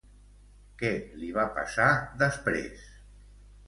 Què li va passar després?